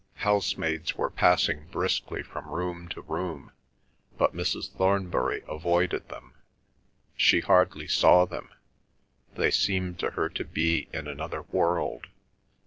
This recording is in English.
Housemaids were passing briskly from room to room, but Mrs. Thornbury avoided them; she hardly saw them; they seemed to her to be in another world.